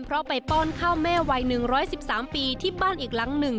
เพราะไปป้อนข้าวแม่วัย๑๑๓ปีที่บ้านอีกหลังหนึ่ง